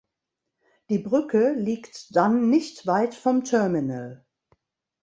Die Brücke liegt dann nicht weit vom Terminal.